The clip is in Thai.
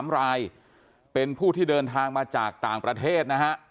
๓รายเป็นผู้ที่เดินทางมาจากต่างประเทศนะฮะ